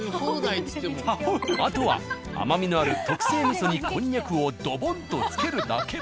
あとは甘みのある特製味噌にこんにゃくをドボンとつけるだけ。